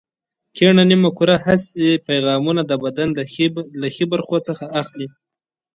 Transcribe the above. کیڼه نیمه کره حسي پیغامونه د بدن له ښي برخو څخه اخلي.